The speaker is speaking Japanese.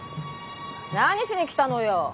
何しに来たのよ？